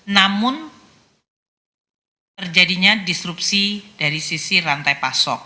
namun terjadinya disrupsi dari sisi rantai pasok